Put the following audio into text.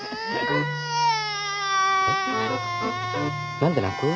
何で泣く？